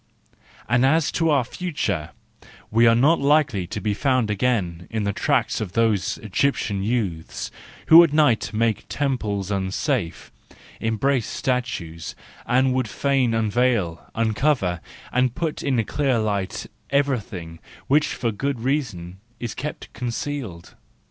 And as to our future, we are not likely to be found again in the tracks of those Egyptian youths who at night make the temples unsafe, embrace statues, and would fain unveil, uncover, and put in clear light, everything which for good reasons is kept concealed.